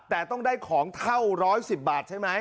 แต่ต้องได้ของเท่า๑๑๐บาทใช่ไหม